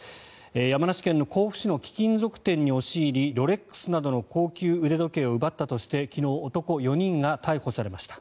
山梨県甲府市の貴金属店に押し入りロレックスなどの高級腕時計を奪ったなどとして昨日、男４人が逮捕されました。